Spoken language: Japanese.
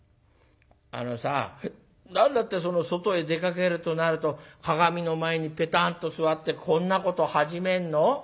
あのさ何だってその外へ出かけるとなると鏡の前にぺたんと座ってこんなこと始めるの。